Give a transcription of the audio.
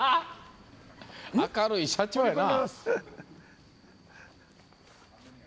明るい社長やな。